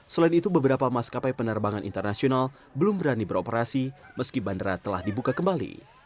selain itu beberapa maskapai penerbangan internasional belum berani beroperasi meski bandara telah dibuka kembali